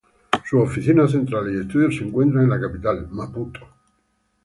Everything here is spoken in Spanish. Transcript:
Sus oficinas centrales y estudios se encuentran en la capital, Maputo.